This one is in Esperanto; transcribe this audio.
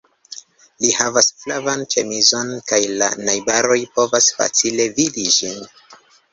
Li havas flavan ĉemizon kaj la najbaroj povas facile vidi ĝin.